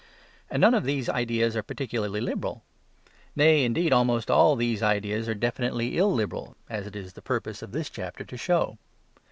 And none of these ideas are particularly liberal. Nay, indeed almost all these ideas are definitely illiberal, as it is the purpose of this chapter to show.